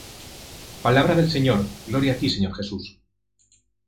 Palabra del Señor. Gloria a ti, Señor Jesús.